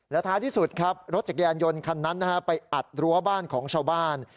ท้ายที่สุดครับรถจักรยานยนต์คันนั้นไปอัดรั้วบ้านของชาวบ้าน